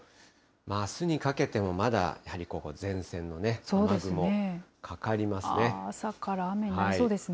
あすにかけてもまだ、やはりここ、朝から雨になりそうですね。